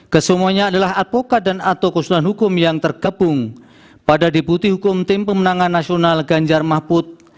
kesemuanya adalah advokat dan atau keseluruhan hukum yang terkepung pada deputi hukum tim pemenangan nasional ganjar mahfud